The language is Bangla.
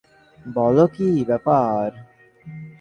বলো, কী ব্যাপার?